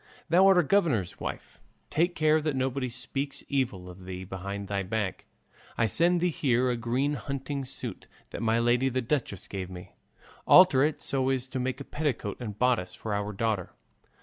Thou art a governor's wife; take care that nobody speaks evil of thee behind thy back. I send thee here a green hunting suit that my lady the duchess gave me; alter it so as to make a petticoat and bodice for our daughter.